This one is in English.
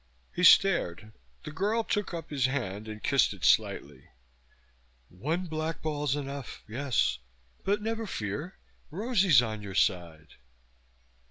He stared. The girl gook took up his hand and kissed it lightly. "One blackball's enough, yes, but never fear. Rosie's on your side."